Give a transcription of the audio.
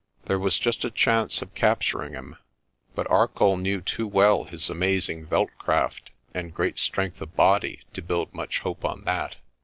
There was just a chance of capturing him, but Arcoll knew too well his amazing veld craft and great strength of body to build much hope on that.